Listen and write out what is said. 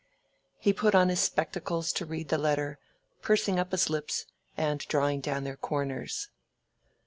He put on his spectacles to read the letter, pursing up his lips and drawing down their corners.